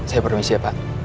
saya permisi ya pak